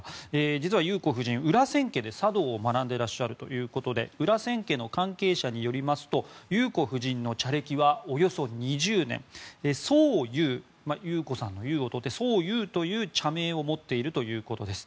実は裕子夫人裏千家で茶道を学んでいらっしゃるということで裏千家の関係者によりますと裕子夫人の茶歴はおよそ２０年宗裕裕子さんの裕を取って宗裕という茶名を持っているということです。